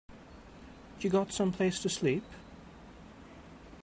You got someplace to sleep?